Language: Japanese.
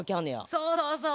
そうそうそう。